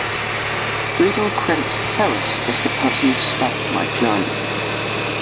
Friedel credits Harris as the person who started my journey.